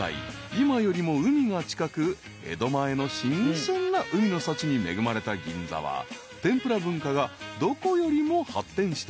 今よりも海が近く江戸前の新鮮な海の幸に恵まれた銀座は天ぷら文化がどこよりも発展してきた］